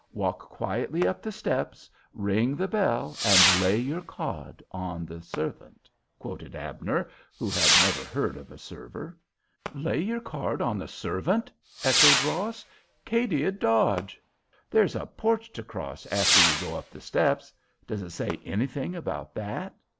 "''Walk quietly up the steps; ring the bell and lay your card on the servant,'" quoted Abner, who had never heard of a server. "''Lay your card on the servant!'" echoed Ross. "Cady'd dodge. There's a porch to cross after you go up the steps—does it say anything about that?"